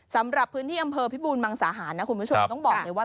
สำหรับพื้นที่อำเภอพิบูรมังสาหารนะคุณผู้ชมต้องบอกเลยว่า